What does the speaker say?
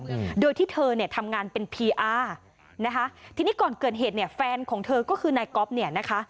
อืมโดยที่เธอเนี่ยทำงานเป็นพีอาร์นะคะทีนี้ก่อนเกิดเหตุเนี่ยแฟนของเธอก็คือนายก๊อฟเนี่ยนะคะ